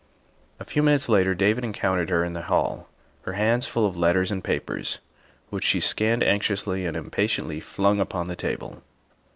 A few minutes later David encountered her in the hall, her hands full of letters and papers, which she scanned anxiously and impatiently flung upon the table.